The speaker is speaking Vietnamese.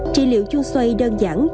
trị liệu chuông xoay đơn giản